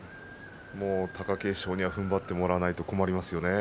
貴景勝にはふんばってもらわないと困りますね。